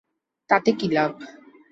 তাতে কী লাভ?